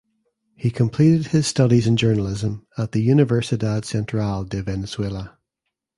He completed his studies in Journalism at the Universidad Central de Venezuela.